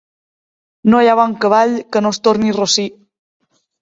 No hi ha bon cavall que no es torni rossí.